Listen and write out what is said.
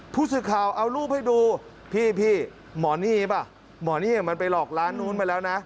ผู้สื่อข่าวเอารูปให้ดูพี่หมอนี่ป่ะหมอนี่มันไปหลอกร้านนู้นมาแล้วนะ